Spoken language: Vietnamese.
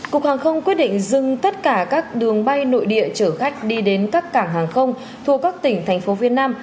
cục hàng không quyết định dừng tất cả các đường bay nội địa chở khách đi đến các cảng hàng không thuộc các tỉnh thành phố việt nam